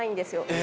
え！